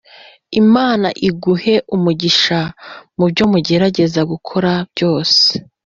Imana iguhe umugisha mubyo ugerageza gukorera byose.